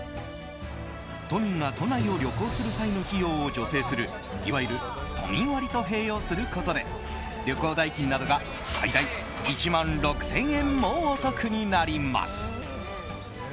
都民が都内を旅行する際の費用を助成するいわゆる都民割と併用することで旅行代金などが最大１万６０００円もお得になります。